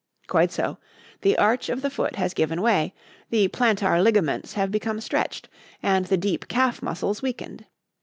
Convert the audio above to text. "Quite so. The arch of the foot has given way; the plantar ligaments have become stretched and the deep calf muscles weakened.